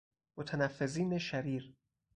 متنفذین شریر